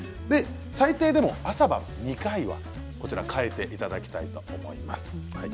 最低でも、朝晩２回は替えていただきたいと思います。